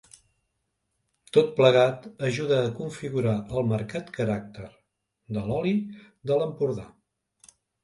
Tot plegat ajuda a configurar el marcat caràcter de l'oli de l'Empordà.